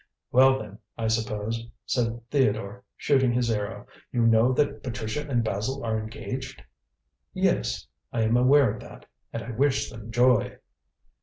"Well, then, I suppose," said Theodore, shooting his arrow, "you know that Patricia and Basil are engaged?" "Yes, I am aware of that, and I wish them joy."